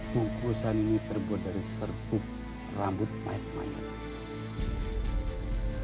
pungkusan ini terbuat dari serpuk rambut mayat mayat